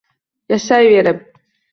Yashayverib